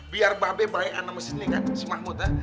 biar babe baik sama sini kan si mahmud ya